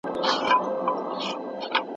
بېځايه پرواز کول سياستوال ته زيان رسوي.